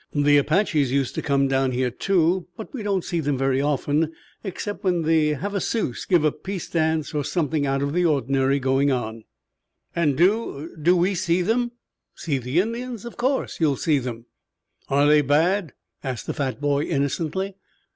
The Apaches used to come down here, too, but we don't see them very often except when the Havasus give a peace dance or there's something out of the ordinary going on." "And do do we see them?" "See the Indians? Of course you'll see them." "Are they bad?" asked the fat boy innocently.